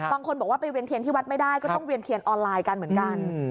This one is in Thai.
บางคนบอกว่าไปเวียนเทียนที่วัดไม่ได้ก็ต้องเวียนเทียนออนไลน์กันเหมือนกัน